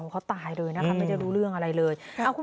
เขาตายเลยนะคะไม่ได้รู้เรื่องอะไรเลย